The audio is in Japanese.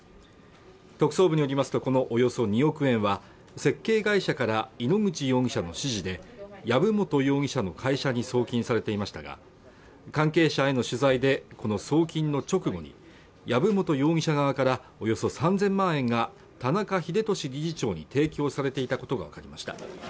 特捜部によりますとこのおよそ２億円は設計会社から井ノ口容疑者の指示で籔本容疑者の会社に送金されていましたが関係者への取材でこの送金の直後に山本容疑者側からおよそ３０００万円が田中英寿理事長に提供されていたことが分かりました